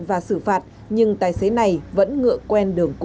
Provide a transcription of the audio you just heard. và xử phạt nhưng tài xế này vẫn ngựa quen đường cũ